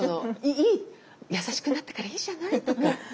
いい優しくなったからいいじゃないとか。